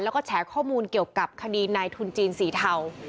แล้วก็แฉข้อมูลเกี่ยวกับคดีในทุนจีนสีเทา